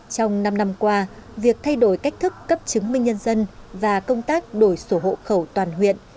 trong năm năm qua việc thay đổi cách thức cấp chứng minh nhân dân và công tác đổi sổ hộ khẩu toàn huyện